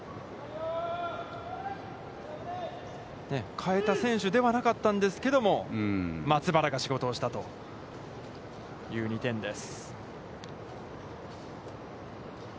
代えた選手ではなかったんですけれども、松原が仕事をしたという２点です。